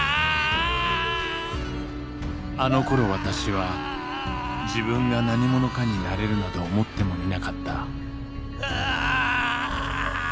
あのころ私は自分が何者かになれるなど思ってもみなかったああ！